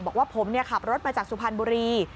บอกว่าผมขับรถมาจากสุพรรณบุรี